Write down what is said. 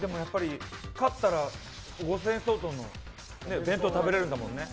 勝ったら５０００円相当の弁当を食べれるんだもんね。